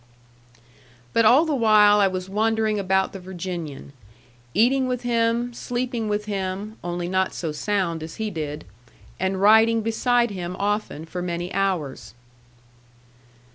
But all the while I was wondering about the Virginian: eating with him, sleeping with him (only not so sound as he did), and riding beside him often for many hours.